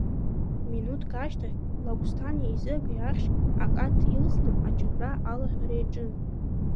Минуҭк ашьҭахь Лагәсҭани Езыгәи ахьшь акаҭ илхны ачабра алаҳәара иаҿын.